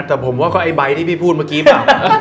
แต่ผมว่าคือใบที่พี่พูดเมื่อกี้ค่ะ